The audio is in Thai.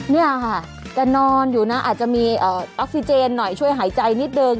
เนี่ยค่ะแกนอนอยู่นะอาจจะมีออกซิเจนหน่อยช่วยหายใจนิดนึง